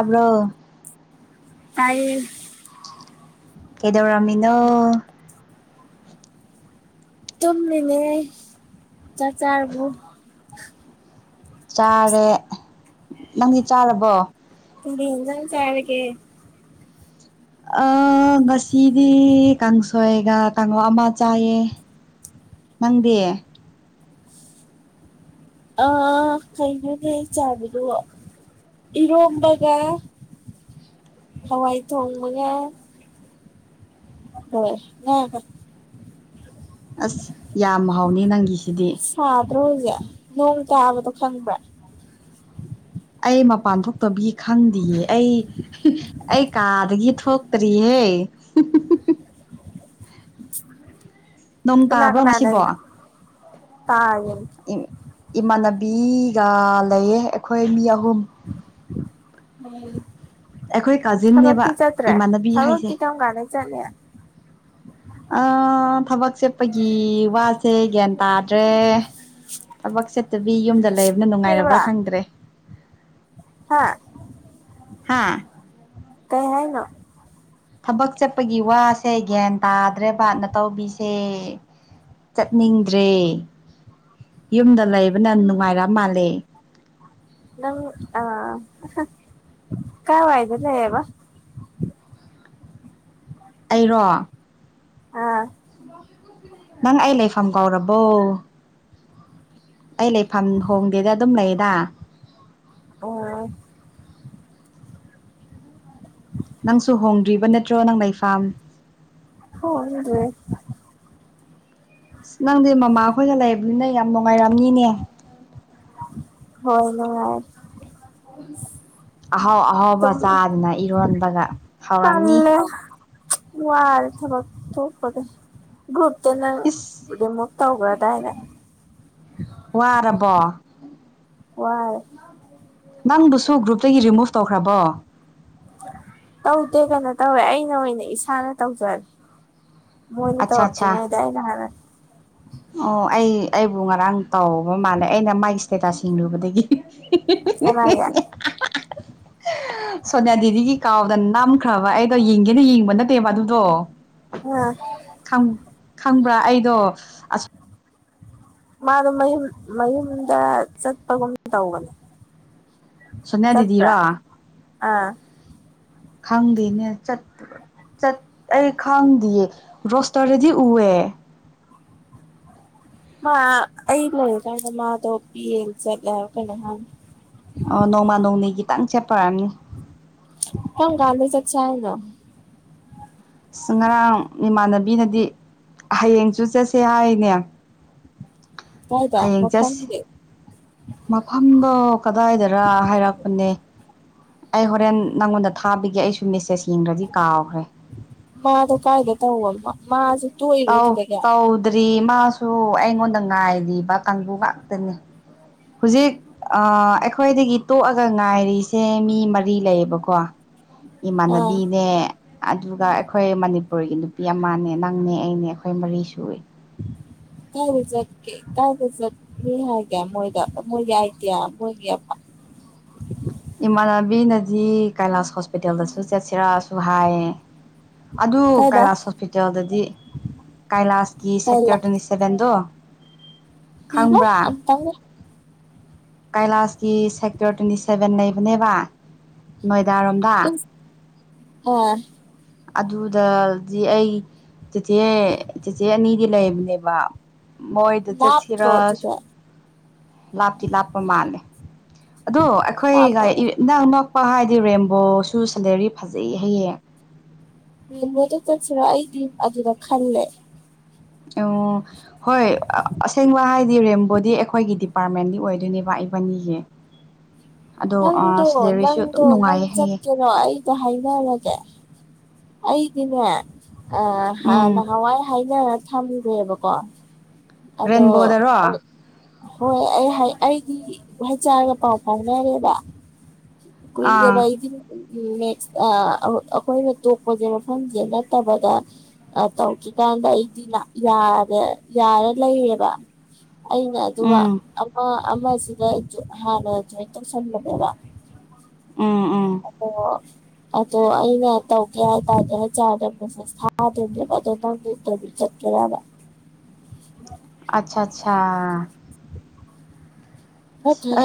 ꯑꯕ꯭ꯔꯣ ꯇꯥꯏꯌꯦ ꯀꯩꯗꯧꯔꯝꯃꯤꯅꯣ ꯇꯝꯃꯤꯅꯦ ꯆꯥꯛ ꯆꯔꯕꯣ ꯆꯥꯔꯦ ꯅꯪꯗꯤ ꯆꯥꯔꯕꯣ ꯀꯩꯀꯩ ꯌꯦꯟꯖꯥꯡ ꯆꯔꯒꯦ ꯑ ꯉꯁꯤꯗꯤ ꯀꯥꯡꯁꯣꯏꯒ ꯀꯥꯡꯉꯧ ꯑꯃ ꯆꯥꯏꯌꯦ ꯅꯪꯗꯤ ꯑ ꯀꯩꯅꯣꯅꯦ ꯑꯩ ꯆꯥꯕꯗꯨꯕꯣ ꯏꯔꯣꯝꯕꯒ ꯍꯋꯥꯏ ꯊꯣꯡꯕꯒ ꯍꯣꯏ ꯉꯥꯒ ꯑꯁ ꯌꯥꯝ ꯍꯥꯎꯅꯤ ꯅꯪꯒꯤꯁꯦ ꯁꯥꯗ꯭ꯔꯣꯁꯦ ꯅꯣꯡ ꯇꯥꯕꯗꯣ ꯈꯪꯕ꯭ꯔꯥ ꯑꯩ ꯃꯄꯥꯟ ꯊꯣꯛꯇꯕꯒꯤ ꯈꯪꯗꯦꯌꯦ ꯑꯩ ꯑꯩ ꯀꯥꯗꯒꯤ ꯊꯣꯛꯇ꯭ꯔꯤꯌꯦ [inaudible] ꯅꯣꯡ ꯀꯅꯥ ꯇꯥꯕ꯭ꯔꯣ ꯀꯅꯥ ꯉꯁꯤꯕꯣ ꯂꯩꯅꯣ ꯇꯥꯔꯤꯅꯦ ꯏꯃꯥꯟꯅ ꯄꯤꯒ ꯂꯩꯌꯦ ꯑꯩꯈꯣꯏ ꯃꯤ ꯑꯍꯨꯝ ꯎꯝ ꯑꯩꯈꯣꯏ ꯀꯥꯖꯤꯟꯅꯦꯕ ꯊꯕꯛꯇꯤ ꯆꯠꯇ꯭ꯔꯦ ꯏꯃꯥꯟꯅꯕꯤ ꯍꯥꯏꯁꯦ ꯊꯕꯛꯇꯤ ꯀꯔꯝꯀꯥꯟꯗꯩ ꯆꯠꯅꯤ ꯑ ꯊꯕꯛ ꯆꯦꯠꯄꯒꯤ ꯋꯥꯁꯦ ꯒ꯭ꯌꯥꯟ ꯇꯥꯗ꯭ꯔꯦ ꯊꯕꯛ ꯆꯠꯇꯕꯤ ꯌꯨꯝꯗ ꯂꯩꯕꯅ ꯅꯨꯡꯉꯥꯏꯔꯕ꯭ꯔꯥ ꯈꯪꯗ꯭ꯔꯦ ꯍꯥꯥ ꯍꯥꯥ ꯀꯩ ꯍꯥꯏꯅ ꯊꯕꯛ ꯆꯠꯄꯒꯤ ꯋꯥꯁꯦ ꯒ꯭ꯌꯥꯟ ꯇꯥꯗ꯭ꯔꯦ ꯕꯥꯠꯅ ꯇꯧꯕꯤꯁꯦ ꯆꯠꯅꯤꯡꯗ꯭ꯔꯦ ꯌꯨꯝꯗ ꯂꯩꯕꯅ ꯅꯨꯡꯉꯥꯏꯔ ꯃꯥꯜꯂꯦ ꯅꯪ ꯑ ꯀꯥꯏ ꯋꯥꯏꯗꯦ ꯂꯩꯌꯦꯕ ꯑꯩꯔꯣ ꯑꯥ ꯅꯪ ꯑꯩ ꯂꯩꯐꯝ ꯀꯧꯔꯕꯣ ꯑꯩ ꯂꯩꯐꯝ ꯍꯣꯡꯗꯦꯗ ꯑꯗꯨꯝ ꯂꯩꯗ ꯑꯣ ꯅꯪꯁꯨ ꯍꯣꯡꯗ꯭ꯔꯤꯕ ꯅꯠꯇ꯭ꯔꯣ ꯅꯪ ꯂꯩꯐꯝꯥꯝ ꯍ ꯑꯗꯨꯦ ꯁ ꯅꯪꯗꯤ ꯃꯃꯥꯍꯈꯣꯏꯅ ꯂꯩꯕꯅꯤꯅ ꯌꯥꯝ ꯅꯨꯡꯉꯥꯏꯔꯝꯅꯤꯅꯦ ꯍꯣꯏ ꯑꯍꯥꯎ ꯑꯍꯥꯎꯕ ꯇꯨꯝ ꯆꯥꯗꯨꯅ ꯏꯔꯣꯟꯕꯒ ꯍꯧꯔꯝꯅꯤ ꯋꯥꯔ ꯊꯕ ꯊ ꯐ꯭ꯔꯨꯞ ꯅ ꯏꯁ ꯔꯤꯃꯨꯕ ꯇꯧꯒꯗ ꯍꯥꯏꯅ [unintelligible] ꯋꯥꯏ ꯅꯪꯗꯨꯁꯨ ꯒ꯭ꯔꯨꯞꯇꯒꯤ ꯔꯤꯃꯨꯚ ꯇꯧꯈ꯭ꯔꯕꯣ ꯇꯧꯗꯦ ꯀꯩꯅꯣ ꯇꯧꯋꯦ ꯑꯩꯅ ꯑꯣꯏꯅ ꯏꯁꯥꯅ ꯇꯧꯖꯔꯦ ꯃꯣꯏꯅꯤ ꯇ ꯑꯠꯆꯥ ꯍꯧꯆ ꯑꯠꯆꯥ ꯉꯗꯏꯅ ꯍꯔ ꯑꯣ ꯑꯩ ꯑꯩꯕꯨ ꯉꯔꯥꯡ ꯇꯥꯎꯕ ꯃꯥꯜꯂꯦ ꯑꯩꯅ ꯃꯥꯒꯤ ꯏꯁꯇꯦꯇꯥꯁꯁꯤꯡ ꯂꯨꯕꯗꯒꯤ ꯀꯅꯥꯒꯤ ꯁꯣꯅꯌꯥ ꯗꯤꯒꯤ ꯀꯥꯝ ꯑꯗ ꯅꯝꯈ꯭ꯔꯕ ꯑꯩꯗꯣ ꯌꯦꯡꯒꯦꯅ ꯌꯦꯡꯕ ꯅꯠꯇꯦꯕ ꯑꯗꯨꯗꯣ ꯑꯥ ꯈꯪ ꯈꯪꯕ꯭ꯔꯥ ꯑꯩꯗꯣ ꯑ ꯃꯥꯗꯣ ꯃꯌꯨꯝ ꯃꯌꯨꯝꯗ ꯆꯠꯄꯒꯨꯝ ꯇꯧꯕꯅꯤ ꯁꯣꯅꯤꯌꯥ ꯦꯗꯤꯔꯣ ꯑꯥ ꯈꯪꯗꯦꯅꯦ ꯆꯠꯇ ꯆꯠ ꯑꯩ ꯈꯪꯗꯌꯦ ꯔꯣꯁꯇꯔꯗꯗꯤ ꯎꯑꯦ ꯃꯥ ꯑꯩ ꯂꯩꯔꯀꯥꯟꯗ ꯃꯥꯗꯣ ꯄꯤꯌꯦꯡ ꯆꯠꯂꯦꯕ ꯀꯩꯅꯣ ꯍꯪ ꯑꯣ ꯅꯣꯡꯃ ꯅꯣꯡꯅꯤ ꯈꯤꯇꯪ ꯆꯦꯠꯄꯔꯅꯤ ꯀꯣꯟ ꯀꯦ ꯆ ꯆꯦꯅ ꯑꯁ ꯉꯔꯥꯡ ꯏꯃꯥꯟꯅꯕꯤꯅꯗꯤ ꯍꯌꯦꯡꯁꯨ ꯆꯠꯁꯦ ꯍꯥꯏꯅꯦ ꯀꯥꯏꯗ ꯍꯌꯦꯡ ꯖꯁ ꯃꯐꯝꯗꯤ ꯃꯐꯝꯗ ꯀꯗꯥꯏꯗꯔ ꯍꯥꯏꯔꯛꯄꯅꯦ ꯑꯩ ꯍꯣꯔꯦꯟ ꯅꯪꯉꯣꯟꯗ ꯊꯥꯕꯒꯤꯦ ꯑꯩꯁꯨ ꯃꯦꯁꯦꯁ ꯌꯦꯡꯈ꯭ꯔꯗꯤ ꯀꯥꯎꯈ꯭ꯔꯦ ꯃꯥ ꯑꯗꯨ ꯀꯥꯏꯗꯦ ꯇꯧꯃ ꯃꯥꯖꯤ ꯇꯥꯎ ꯇꯥꯎꯗ ꯃꯥꯁꯨ ꯑꯩꯉꯣꯟꯗ ꯉꯥꯏꯔꯤꯕ ꯀꯥꯡꯕꯨ ꯉꯥꯛꯇꯅꯦ ꯍꯧꯖꯤꯛ ꯑꯩꯈꯣꯏꯗꯒꯤ ꯇꯣꯛꯑꯒ ꯉꯥꯏꯔꯤꯁꯦ ꯃꯤ ꯃꯔꯤ ꯂꯩꯌꯦꯕꯀꯣ ꯑꯥ ꯏꯃꯥꯟꯅꯕꯤꯅꯦ ꯑꯗꯨꯒ ꯑꯩꯈꯣꯏ ꯃꯅꯤꯄꯨꯔꯒꯤ ꯅꯨꯄꯤ ꯑꯃꯅꯦ ꯅꯪꯅꯦ ꯑꯩꯅꯦ ꯑꯩꯈꯣꯏ ꯃꯔꯤ ꯁꯏ [inaudible] ꯀꯥꯏꯕ ꯆꯠꯀꯦ ꯀꯥꯏꯕ ꯆꯠꯅꯤ ꯍꯥꯏꯒꯦ ꯃꯣꯏꯗ ꯃꯣꯏꯒꯤ ꯑꯥꯏꯗꯤꯌꯥ ꯃꯣꯏꯒꯤ ꯑꯣ ꯏꯃꯥꯟꯅꯕꯤꯅꯗꯤ ꯀꯩꯂꯥꯁ ꯍꯣꯁꯄꯤꯇꯥꯜꯗꯁꯨ ꯆꯠꯁꯤꯔꯛꯁꯨ ꯍꯥꯏꯌꯦ ꯑꯗꯨ ꯀꯥꯏꯗ ꯀꯩꯂꯥꯁ ꯍꯣꯁꯄꯤꯇꯥꯜꯗꯗꯤ ꯀꯩꯂꯥꯁꯀꯤ ꯁꯀꯛꯇꯔ ꯇ꯭ꯋꯦꯟꯇꯤ ꯁꯚꯦꯟꯗꯣ ꯏꯕ ꯈꯪꯕ꯭ꯔꯥ ꯀꯩꯂꯥꯁꯀꯤ ꯁꯦꯛꯇꯔ ꯇ꯭ꯋꯦꯟꯇꯤ ꯁꯦꯚꯦꯟ ꯂꯩꯕꯅꯦꯕ ꯅꯣꯏ ꯗꯥꯔꯣꯝꯝꯕ ꯑꯣ ꯑꯗꯨꯗꯗꯤ ꯑꯩ ꯆꯤꯊꯦ ꯆꯤꯊꯦ ꯑꯅꯤꯗꯤ ꯂꯩꯕꯅꯦꯕ ꯃꯣꯏꯗ ꯂꯥꯞꯇ꯭ꯔꯣ ꯆꯠꯁꯤꯔꯥꯖ ꯑꯗꯨꯗ ꯂꯥꯞꯇꯤ ꯂꯥꯞꯄ ꯃꯥꯜꯂꯦ ꯑꯗꯣ ꯑꯩꯈꯣꯏ ꯂꯥꯞꯄꯔꯣꯏ ꯏꯛꯅꯛ ꯄꯥ ꯍꯥꯏꯗꯤ ꯔꯦꯝꯕꯣꯁꯨ ꯁꯦꯂꯦꯔꯤ ꯐꯖꯩ ꯍꯌꯦꯡ ꯎꯕꯗ ꯆꯠꯁꯤꯔꯥ ꯑꯩꯗꯤ ꯑꯗꯨꯗ ꯈꯜꯂꯦ ꯑꯣ ꯍꯣꯏ ꯑꯁꯦꯡꯕ ꯍꯥꯏ ꯗꯤ ꯔꯦꯝꯕꯣꯗꯤ ꯑꯩꯈꯣꯏꯒꯤ ꯗꯤꯄꯥꯔꯠꯃꯦꯟꯒꯤ ꯑꯣꯏꯗꯣꯏꯅꯦꯕ ꯏꯕꯥꯅꯤꯌꯦ ꯅꯪꯗꯣ ꯅꯪꯗꯣ ꯅꯪ ꯅꯨꯡꯉꯥꯏꯌꯦ ꯍꯌꯦ ꯆꯠꯀꯦꯔꯣ ꯑꯩꯗꯣ ꯍꯥꯏꯅꯔꯒꯦ ꯑꯩꯗꯅꯦ ꯑ ꯎꯝ ꯅ ꯍꯋꯥ ꯍꯥꯏꯅ ꯊꯝꯂꯨꯔꯦꯕꯀꯣ ꯑꯗꯣ ꯔꯦꯟꯕꯣꯗꯔꯣ ꯑꯩ ꯍꯣꯏ ꯑꯩ ꯑꯩꯒꯤ ꯎꯍꯩ ꯆꯥꯔꯒ ꯄꯥꯎ ꯐꯥꯎꯅꯔꯦꯕ ꯑꯥ ꯀꯨꯏꯗꯕ ꯑꯩꯗꯤ ꯅꯦꯛꯁ ꯑꯩꯈꯣꯏꯅ ꯇꯣꯛꯄꯁꯦ ꯃꯐꯝꯁꯦ ꯅꯠꯇꯕꯗ ꯑ ꯇꯧꯗ꯭ꯔꯤ ꯀꯥꯟꯗ ꯑꯩꯗꯤꯅ ꯌꯥꯔꯦ ꯌꯥꯔꯦ ꯂꯩꯌꯦꯕ ꯑꯩꯅ ꯑꯗꯨꯒ ꯎꯝ ꯑꯃ ꯑꯃꯁꯤꯗ ꯍꯥꯟꯅ ꯖꯣꯏꯟ ꯇꯧꯁꯟꯕꯅꯦꯕ ꯑ ꯎ ꯑꯗꯣ ꯑꯗꯣ ꯑꯩꯅ ꯇꯧꯒꯦ ꯍꯥꯏꯇꯥꯔꯗꯤ ꯆꯥꯗ ꯊꯥꯗꯗ꯭ꯔꯕ ꯑꯗꯣ ꯅꯪ ꯆꯠ ꯀꯗ ꯑꯆꯥ ꯑꯆꯥ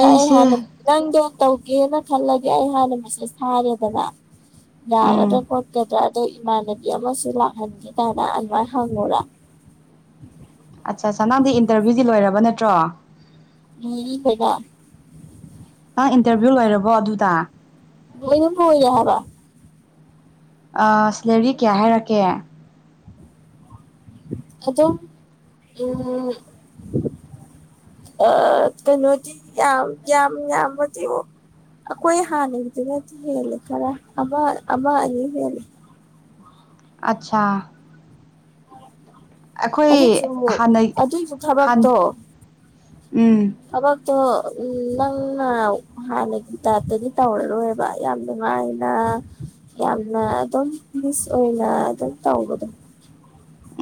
ꯍ ꯍꯥꯟ ꯅꯪꯗ ꯇꯧꯒꯦꯅ ꯈꯜꯂꯒꯦ ꯑꯩ ꯍꯥꯟꯅ ꯃꯦꯁꯦꯁ ꯊꯥꯔꯦꯗꯅ ꯌꯥꯒꯗ꯭ꯔꯥ ꯎꯝ ꯈꯣꯠꯀꯗ꯭ꯔꯥ ꯑꯗꯣ ꯏꯃꯥꯟꯅꯕꯤ ꯑꯃꯁꯨ ꯂꯥꯛꯍꯟꯒꯦꯗꯅ ꯑꯗꯨꯃꯥꯏꯅ ꯍꯪꯉꯨꯔ ꯑꯠꯆꯥ ꯑꯆꯥ ꯅꯪꯗꯤ ꯏꯟꯇꯔꯚꯤꯌꯨꯗꯤ ꯂꯣꯏꯔꯕ ꯅꯠꯇ꯭ꯔꯣ ꯎꯝ ꯍꯗ ꯅꯪ ꯏꯟꯇꯔꯚꯤꯌꯨ ꯂꯩꯔꯕꯣ ꯑꯗꯨꯗ ꯂꫭꯏꯅꯥ ꯂꫭꯏꯔ‌ꯦ ꯍꯥꯏꯕ ꯁꯦꯂꯦꯔꯤ ꯀꯌꯥ ꯍꯥꯏꯔꯛꯀꯦ ꯑꯗꯨꯝ ꯎꯝ ꯑ ꯀꯩꯅꯣꯗꯤ ꯌꯥꯝ ꯌꯥꯝ ꯌꯥꯝꯗꯤ ꯑꫭꯏ ꯑꯩꯈꯣꯏ ꯍꯥꯟꯅꯒꯤꯗꯨꯅꯗꯤ ꯍꯦꯜꯂꯦ ꯈꯔ ꯑꯃ ꯑꯃ ꯑꯅꯤ ꯍꯦꯜꯂꯦ ꯑꯠꯁꯥ ꯑꯩꯈꯣꯏ ꯑꯗꯨꯏꯁꯨ ꯑꯃꯨꯛ ꯍꯥꯟꯅ ꯑꯗꯨꯏꯁꯨ ꯍꯥꯟ ꯎꯝ ꯊꯕꯛꯇꫭ ꯎꯝ ꯅꯪꯅ ꯍꯥꯟꯅꯒꯤ ꯇꯥꯏꯞꯇꯗꯤ ꯇꯧꯔꯔꯣꯏꯕ ꯌꯥꯝ ꯅꯨꯡꯉꯥꯏꯅ ꯌꯥꯝꯅ ꯑꯗꯨꯝ ꯃꯤꯁ ꯑꯣꯏꯅ ꯑꯗꯨꯝ ꯇꯧꯕꯗꯣ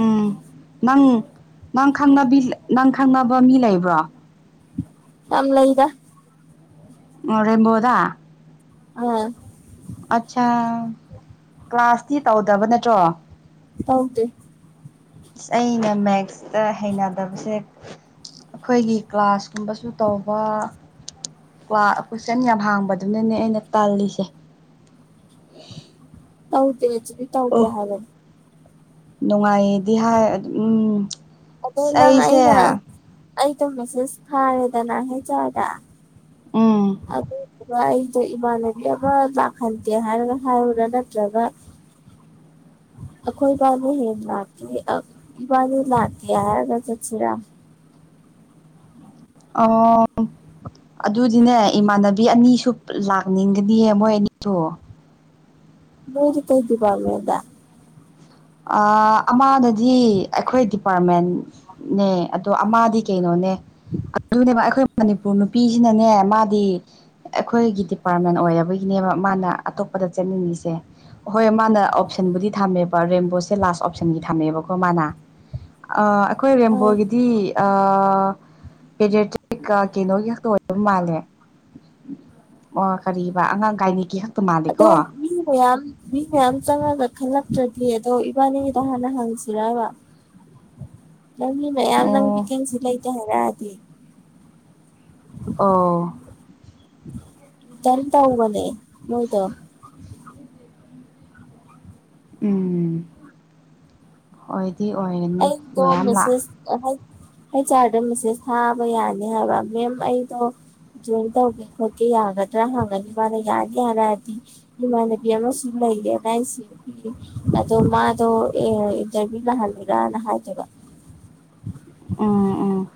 ꯎꯝ ꯅꯪ ꯅꯪ ꯈꯪꯅꯕꯤ ꯅꯪ ꯈꯪꯅꯕ ꯃꯤ ꯂꯩꯕ꯭ꯔꯣ ꯌꯥꯝ ꯂꯩꯗꯥ ꯃꯅꯤꯄꯨ꯭ꯔꯗ ꯑꯥ ꯑꯠꯆꯥ ꯀ꯭ꯂꯥꯁꯇꯤ ꯇꯧꯗꯕ ꯅꯠꯇ꯭ꯔꯣ ꯇꯧꯗꯦ ꯑꯩꯅ ꯃꯦꯛꯁꯇ ꯍꯩꯅꯗꯕꯁꯦ ꯑꯩꯈꯣꯏꯒꯤ ꯀ꯭ꯂꯥꯁꯀꯨꯝꯕꯁꯨ ꯇꯧꯕ ꯋꯥ ꯀꯣꯏꯁꯟ ꯌꯥꯝ ꯍꯪꯕꯗꯨꯅꯅꯦ ꯑꯩꯅ ꯇꯥꯜꯂꯤꯁꯦ ꯎ [unintelligible] ꯇꯧꯗꯦ ꯗꯨꯗꯤ ꯇꯧꯗꯦ ꯍꯥꯏꯔꫭ ꯅꯨꯡꯉꯥꯏꯌꯦꯗꯤ ꯍꯥꯏ ꯎꯝ ꯑ ꯑꯩꯁꯦ ꯑꯩꯇꯣ ꯃꯤꯁꯦꯁ ꯊꯔꯦꯗꯅ ꯍꯥꯏ ꯑꯔ ꯗꯥ ꯎꯝ ꯑꯩꯗꯣ ꯏꯃꯥꯟꯅꯕꯤ ꯑꯃ ꯂꯥꯛꯍꯟꯗꯦ ꯍꯥꯏꯔꯒ ꯍꯥꯏꯌꯨꯔꯥ ꯅꯠꯇ꯭ꯔꯒ ꯑꯩꯈꯣꯏꯕꯥꯅꯤ ꯍꯦꯡ‌‌ ꯂꯥꯛꯀꯦ ꯏꯕꯥꯅꯤ ꯂꯥꯛꯀꯦ ꯍꯥꯏꯔꯒ ꯆꯠꯁꯤꯔꯥ ꯑꯥ ꯑꯗꯨꯗꯤꯅꯦ ꯏꯃꯥꯟꯅꯕꯤ ꯑꯅꯤꯁꯨ ꯂꯥꯛꯅꯤꯡꯒꯅꯤꯌꯦ ꯃꯣꯏ ꯑꯅꯤꯁꯨ ꯃꯣꯏꯗꯤ ꯀꯩ ꯗꯤꯄꯥꯔꯃꯦꯟꯗꯥ ꯑꯥ ꯑꯃꯗꯨꯗꯤ ꯑꯩꯈꯣꯏ ꯗꯤꯄꯥꯔꯠꯃꯦꯟꯅꯦ ꯑꯗꯣ ꯑꯃꯗꯤ ꯀꯩꯅꯣꯅꯦ ꯑꯗꯨꯅꯦꯕ ꯑꯩꯈꯣꯏ ꯃꯅꯤꯄꯨꯔ ꯅꯨꯄꯤꯁꯤꯅꯅꯦ ꯃꯥꯗꯤ ꯑꯩꯈꯣꯏꯒꯤ ꯗꯤꯄꯥꯔꯠꯃꯦꯟ ꯑꯣꯏꯔꯕꯒꯤꯅꯦꯕ ꯃꯥꯅ ꯑꯇꯣꯞꯄꯗ ꯆꯠꯅꯤꯡꯉꯤꯁꯦ ꯍꯣꯏ ꯃꯥꯅ ꯑꯣꯞꯁꯟꯕꯨꯗꯤ ꯊꯝꯃꯦꯕ ꯔꯦꯟ ꯁꯦ ꯂꯥꯁ ꯑꯣꯞꯁꯟꯒꯤ ꯊꯝꯃꯦꯕꯀꯣ ꯃꯥꯅ ꯑꯥ ꯑꯩꯈꯣꯏ ꯔꯦꯝꯕꯣꯒꯤꯗꯤ ꯑꯥ.... ꯄꯦꯔꯤꯗꯤꯛꯀꯥ ꯀꯩꯅꯣꯒꯤ ꯈꯛꯇ ꯑꯣꯏꯕ ꯃꯥꯜꯂꯦ ꯑꯣ ꯀꯥꯔꯤꯕ ꯑꯉꯥꯡ ꯒꯥꯏꯅꯤꯒꯤ ꯃꯥꯜꯂꯦꯀꯣ ꯑꯗꯣ ꯃꯤ ꯃꯌꯥꯝ ꯃꯤ ꯃꯌꯥꯝ ꯆꯪꯉꯒ ꯈꯜꯂꯛ ꯇ꯭ꯔꯗꯤ ꯑꯗꯣ ꯏꯕꯥꯅꯤꯒꯤꯗꯣ ꯍꯥꯟꯅ ꯍꯪꯁꯤꯔꯕ ꯅꯪꯒꯤ ꯃꯌꯥꯝ ꯅꯪ ꯑꯣ ꯕꯤꯀꯟꯁꯤ ꯂꯩꯇꯦ ꯍꯥꯏꯔꯛꯑꯗꯤ ꯑꯣ ꯇꯟ ꯇꯧꯕꯅꯦ ꯃꯣꯏꯗꫭ ꯎꯝ ꯍꯣꯏ ꯑꯩꯗꯣ ꯃꯦꯁꯦꯁ ꯍꯥꯏ ꯍꯩꯠ ꯑꯥꯔꯗ ꯃꯦꯁꯦꯁ ꯊꯥꯕ ꯌꯥꯅꯤ ꯍꯥꯏꯕ ꯃꯦꯝ ꯑꯩꯗꯣ ꯖꯣꯏꯟ ꯇꯧꯒꯦ ꯈꯣꯠꯀꯦ ꯌꯥꯒꯗ꯭ꯔꯥ ꯍꯥꯡꯉꯅꯤ ꯃꯥꯅ ꯌꯥꯅꯤ ꯍꯥꯏꯔꯛꯑꯗꯤ ꯏꯃꯥꯟꯅꯕꯤ ꯑꯃꯁꯨ ꯀꯩꯒꯤ ꯑꯦꯟ ꯑꯥꯏ ꯁꯤ ꯑꯗꯣ ꯃꯥꯗꯣ ꯏꯟꯇꯔꯚꯤꯌꯨ ꯂꯍꯜꯂ ꯔꯅ [unintelligible] ꯍꯥꯏꯗꯨꯏꯕ ꯎꯝ ꯎꯝ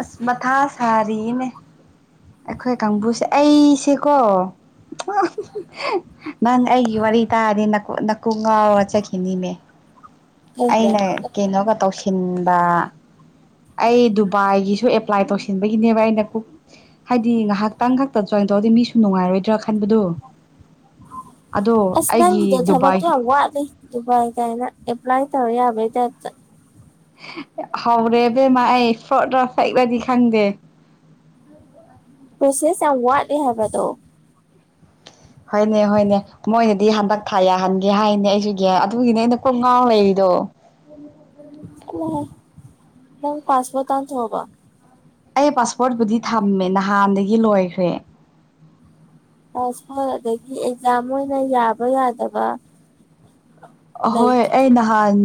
ꯑꯁ ꯃꯊꯥ ꯁꯔꯤꯅꯦ ꯑꯩꯈꯣꯏ ꯀꯥꯡꯕꯨꯁꯦ ꯑꯩꯁꯦꯀꯣ ꯅꯪ ꯑꯩꯒꯤ ꯋꯥꯔꯤ ꯇꯥꯔꯗꯤ ꯅꯥꯀꯣꯛ ꯉꯥꯎꯔ ꯆꯠꯈꯤꯅꯤꯃꯦ ꯀꯩꯒꯤ ꯑꯩꯅ ꯀꯩꯅꯣꯒ ꯇꯧꯁꯤꯟꯕ ꯑꯩ ꯗꯨꯕꯥꯏꯒꯤꯁꯨ ꯑꯦꯄ꯭ꯂꯥꯏ ꯇꯧꯁꯤꯟꯕꯒꯤꯅꯦꯕ ꯑꯩꯅ ꯍꯥꯏꯗꯤ ꯉꯥꯏꯍꯥꯛꯇꯪ ꯈꯛꯇ ꯆ ꯇꯧꯗꯤ ꯃꯤꯁꯨ ꯅꯨꯡꯉꯥꯏꯔꯣꯏꯗ꯭ꯔꯥ ꯈꯟꯕꯗꯨ ꯑꯁ ꯅꯪꯒꯤꯗꯤ ꯊꯕꯛꯇꯣ ꯌꯥꯝꯅ ꯋꯥꯠꯂꯦ ꯗꯨꯕꯥꯥꯏ ꯀꯥꯏꯅ ꯑꯦꯄ꯭ꯂꯥꯏ ꯇꯧ ꯌꯥꯕꯩ ꯇꯥꯞꯇ ꯍꯧꯔꯦꯕꯦꯝꯃ ꯑꯩ ꯐꯣꯔꯗ꯭ꯗꯔꯣ ꯐ꯭ꯔꯤꯛ ꯂꯥꯗꯤ ꯈꯪꯗꯦ ꯍ ꯄꯦꯁꯦꯁ ꯌꯥꯝ ꯋꯥꯠꯂꯤ ꯍꯥꯏꯕꯗꯣ ꯍꯣꯏꯅꯦ ꯍꯣꯏꯅꯦ ꯃꯣꯏꯅꯗꯤ ꯍꯟꯗꯛ ꯊꯥ ꯌꯥꯍꯟꯒꯦ ꯍꯥꯏꯅꯦ ꯑꯩꯁꯨ ꯒꯤꯌꯥꯟ ꯑꯗꯨꯒꯤꯅꯦ ꯑꯩꯅ ꯀꯣꯡ ꯉꯥꯎꯔ ꯂꯩꯔꯤꯗꯣ ꯎ ꯅꯪ ꯄꯥꯁꯄꯣꯠ ꯇꯥꯟꯊꯣꯛ ꯑꯕꯣ ꯑꯩ ꯄꯥꯁꯄꯣꯔꯠꯄꯨꯗꯤ ꯊꯝꯃꯦ ꯅꯍꯥꯟꯗꯒꯤ ꯂꯣꯏꯈ꯭ꯔꯦ ꯑꯁ ꯃꯣꯏ ꯑꯗꯒꯤ ꯑꯦꯛꯖꯥꯝ ꯃꯣꯏꯅꯥ ꯌꯥꯕ ꯌꯥꯗꯕ ꯑꯍꯣꯏ ꯑꯩ ꯂꯩꯗꯨꯗꯤ ꯅꯍꯥꯟ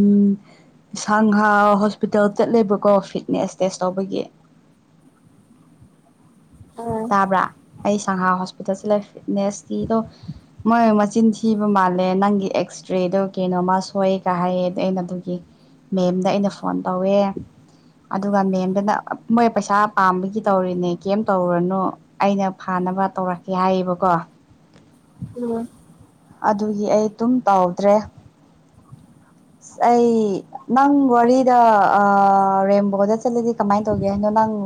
ꯁꯪꯍꯥ ꯍꯣꯁꯄꯤꯇꯥꯜ ꯆꯠꯂꯦꯕꯀꯣ ꯐꯤꯠꯅꯦꯁ ꯇꯦꯁ ꯇꯧꯕꯒꯤ [unintelligible] ꯑꯥ ꯇꯥꯕ꯭ꯔꯥ ꯑꯩ ꯁꯪꯍꯥ ꯍꯣꯁꯄꯤꯇꯥꯜꯁꯤ ꯂꯩ ꯐꯤꯠꯅꯦꯁꯀꯤꯗꯣ ꯃꯣꯏ ꯃꯆꯤꯟ ꯊꯤꯕ ꯃꯥꯜꯂꯦ ꯅꯪꯒꯤ ꯑꯦꯛꯁ ꯔꯦꯗꯣ ꯀꯩꯅꯣꯃ ꯁꯣꯏꯑꯒ ꯍꯥꯏꯌꯦ ꯑꯩꯅ ꯑꯗꯨꯒꯤ ꯃꯦꯝꯗ ꯑꯩꯅ ꯐꯣꯟ ꯇꯧꯋꯦ ꯑꯗꯨꯒ ꯃꯦꯝꯗꯨꯅ ꯃꯣꯏ ꯄꯩꯁꯥ ꯄꯥꯝꯕꯒꯤ ꯇꯧꯔꯤꯅꯦ ꯀꯩꯝ ꯇꯧꯔꯨꯔꯅꯨ ꯑꯩꯅ ꯐꯥꯅꯕ ꯇꯧꯔꯛꯀꯦ ꯍꯥꯏꯌꯦꯕꯀꯣ ꯎꯝ ꯑꯗꯨꯒꯤ ꯑꯩ ꯑꯗꯨꯝ ꯇꯥꯎꯗ꯭ꯔꯦ ꯑꯁ ꯑꯩ ꯅꯪ ꯋꯥꯔꯤꯗ ꯔꯦꯝꯕꯣꯗ ꯆꯠꯂꯗꯤ ꯀꯃꯥꯏꯅ ꯇꯧꯒꯦ ꯍꯥꯏꯅꯣ ꯅꯪ ꯎ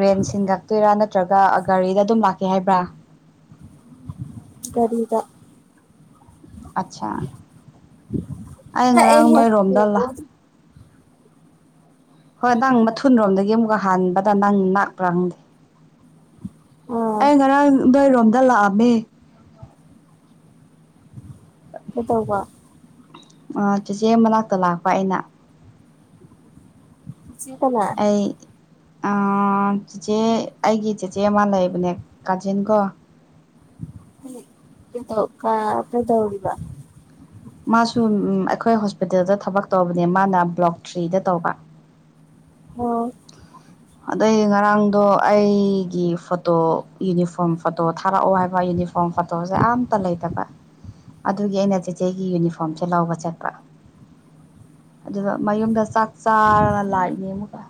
ꯔꯦꯟ ꯁꯤꯟꯒꯛꯇꯣꯏꯔꯥ ꯅꯠꯇ ꯅꯠꯇ꯭ꯔꯒ ꯒꯥꯔꯤꯗ ꯑꯗꯨꯝ ꯂꯥꯛꯀꯦ ꯍꯥꯏꯕ꯭ꯔꯥ ꯀꯗ ꯑꯆꯥ ꯑꯩ ꯉꯔꯥꯡ ꯅꯛꯑꯦꯍꯦ ꯌꯦꯡꯉꯣ ꯅꯣꯏꯔꯣꯝꯗꯂꯥ ꯍꯣꯏ ꯅꯪ ꯃꯊꯨꯟꯔꯣꯝꯗꯒꯤ ꯑꯃꯨꯛꯀ ꯍꯥꯟꯕꯗ ꯅꯪ ꯥꯛꯄ꯭ꯔꯥ ꯈꯪꯗꯦ ꯑꯥ ꯑꯩ ꯉꯔꯥꯡ ꯅꯏꯔꯣꯝꯗ ꯂꯥꯛꯑꯝꯃꯦ ꯀꯦꯇꯀ ꯑ ꯆꯦꯆꯦ ꯃꯅꯥꯛꯇ ꯂꯥꯛꯄ ꯑꯩꯅ ꯁꯤꯗꯂ ꯑꯩ ꯆꯦꯆꯦ ꯑꯩꯒꯤ ꯆꯦꯆꯦ ꯑꯃ ꯂꯩꯕꯅꯦ ꯀꯥꯖꯤꯟ ꯀꯣ [unintelligible] ꯀꯦꯗꯧꯕ ꯃꯥꯁꯨ ꯑꯩꯈꯣꯏ ꯍꯣꯁꯄꯤꯇꯥꯜꯗ ꯊꯕꯛ ꯇꯧꯕꯅꯦ ꯃꯥꯅ ꯕ꯭ꯂꯣꯛ ꯊ꯭ꯔꯤꯗ ꯇꯧꯕ [unintelligible] ꯑꯣ ꯑꯗꯩ ꯉꯔꯥꯡꯗꯣ ꯑꯩꯒꯤ ꯐꯣꯇꯣ ꯌꯨꯅꯤꯐꯣꯔꯝ ꯐꯣꯇꯣ ꯊꯥꯔꯛꯑꯣ ꯍꯥꯏꯕ ꯌꯨꯅꯤꯐꯣꯔꯝ ꯐꯣꯇꯣꯁꯦ ꯑꯝꯇ ꯂꯩꯇꯕ ꯑꯗꯨꯒꯤ ꯑꯩꯅ ꯆꯦꯆꯦꯒꯤ ꯌꯨꯅꯤꯐꯣꯔꯝꯁꯦ ꯂꯥꯎꯧꯕ ꯆꯠꯄ꯭ꯔꯥ ꯑꯗꯨꯗ ꯃꯌꯨꯝꯗ ꯆꯥꯛ ꯆꯥꯔꯅ ꯂꯥꯛꯏꯅꯦ ꯑꯃꯨꯛꯀ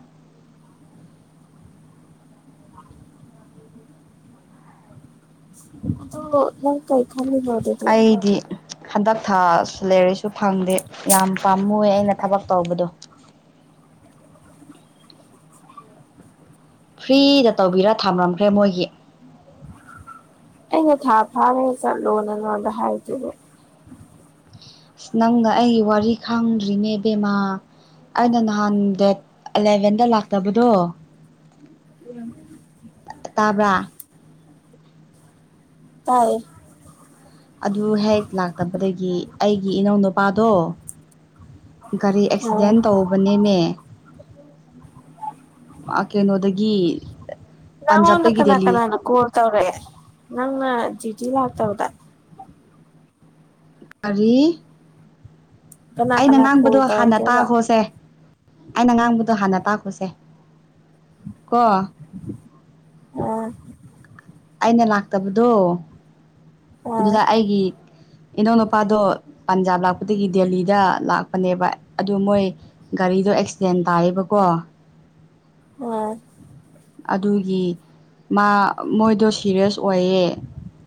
ꯣ ꯅꯪ ꯀꯩ ꯈꯥ ꯌꯥꯗ ꯑꯗꯨꯣ ꯑꯩꯗꯤ ꯍꯟꯗꯛ ꯊꯥꯁꯨ ꯂꯩꯔꯁꯨ ꯐꯪꯗꯦ ꯌꯥꯝ ꯄꯥꯝꯃꯨꯑ ꯑꯩꯅ ꯊꯕꯛ ꯇꯧꯕꯗꯣ [unintelligible] ꯐ꯭ꯔꯤꯗ ꯇꯧꯕꯤꯔ ꯊꯝꯂꯝꯝꯈ꯭ꯔꯦ ꯃꯣꯏꯒꯤ ꯑꯩꯅ ꯊꯥ ꯐꯥꯔꯒ ꯆꯠꯂꯣ ꯅꯪ ꯅꯣꯟꯗ ꯍꯥꯏꯗꯨꯕ ꯑꯁ ꯅꯪꯅ ꯑꯩꯒꯤ ꯋꯥꯔꯤ ꯈꯥꯡꯗ꯭ꯔꯤꯅꯦ ꯕꯦꯃꯥ ꯑꯩꯅ ꯅꯍꯥꯟ ꯗꯦꯠ ꯑꯦꯂꯦꯚꯦꯟꯗ ꯂꯥꯛꯇꯕꯗꯣ ꯑꯗꯨ ꯇꯥꯕ ꯇꯦ ꯑꯗꯨ ꯍꯦꯛ ꯂꯥꯛꯇꯕꯗꯒꯤ ꯑꯩꯒꯤ ꯏꯅꯧ ꯅꯨꯨꯄꯥꯗꯣ ꯒꯥꯔꯤ ꯑꯣ ꯑꯦꯛꯁꯤꯗꯦꯟ ꯇꯧꯕꯅꯦꯃꯦ ꯑ ꯀꯩꯅꯣꯗꯒꯤ ꯅꯪꯉꯣꯟꯗ ꯄꯟꯖꯥꯕꯇꯒꯤ ꯀꯅꯥ ꯗꯦꯜꯂꯤ ꯀꯅꯥꯅ ꯀꯜ ꯇꯧꯔꯒꯦ ꯅꯪꯅ ꯗꯤꯗꯤꯤ ꯂꯥꯛꯇꯕꯗ ꯇꯔꯤ ꯀꯅꯥ ꯑꯩꯅ ꯀꯅꯥ ꯀꯣꯜ ꯉꯥꯡꯕꯗꯣ ꯍꯥꯟꯅ ꯇꯧꯔꯛꯀꯦꯕ ꯇꯥꯈꯣꯁꯦ ꯑꯩꯅ ꯉꯥꯡꯕꯗꯣ ꯍꯥꯟꯅ ꯇꯥꯛꯈꯨꯁꯦ ꯀꯣ ꯑꯥ ꯑꯩꯅ ꯂꯥꯛꯇꯕꯗꯣ ꯑꯥ ꯑꯗꯨꯗ ꯑꯩꯒꯤ ꯏꯅꯥꯧ ꯅꯨꯄꯥꯗꯣ ꯄꯟꯖꯥꯕ ꯂꯥꯛꯄꯗꯒꯤ ꯗꯦꯜꯂꯤꯗ ꯂꯥꯛꯄꯅꯦꯕ ꯑꯗꯨ ꯃꯣꯏ ꯒꯥꯔꯤ ꯒꯥꯔꯤꯗꯣ ꯑꯦꯛꯁꯤꯗꯦꯟ ꯇꯥꯔꯤꯕꯀꯣ ꯑꯥ ꯑꯗꯨꯒꯤ ꯃꯥ ꯃꯣꯏꯗꯣ ꯁꯤꯦꯔꯤꯌꯁ ꯑꯣꯏꯌꯦ